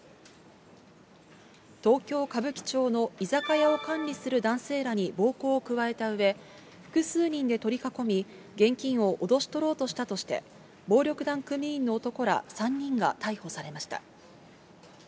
東京・歌舞伎町の居酒屋を管理する男性らに暴行を加えたうえ、複数人で取り囲み、現金を脅し取ろうとしたとして、暴力団組員の男ら３人が逮捕されました。